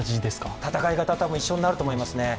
戦い方、たぶん一緒になると思いますね。